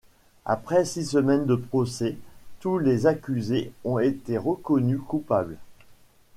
Après six semaines de procès, tous les accusés ont été reconnus coupables.